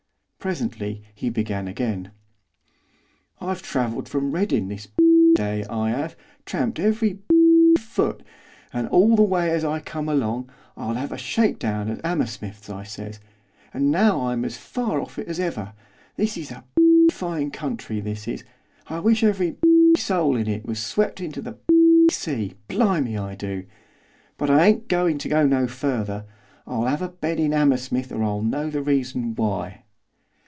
Presently he began again. 'I've travelled from Reading this day, I 'ave, tramped every foot! and all the way as I come along, I'll 'ave a shakedown at 'Ammersmith, I says, and now I'm as fur off from it as ever! This is a fine country, this is, I wish every soul in it was swept into the sea, blimey I do! But I ain't goin' to go no further, I'll 'ave a bed in 'Ammersmith or I'll know the reason why.